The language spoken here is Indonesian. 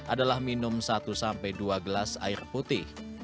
adalah minum satu dua gelas air putih